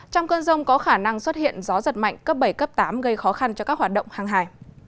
trong cơn rông có khả năng xuất hiện gió giật mạnh cấp bảy cấp tám gây khó khăn cho các hoạt động hàng hải